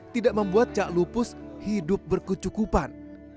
tidak membuat cak lupus hidup berkecukupan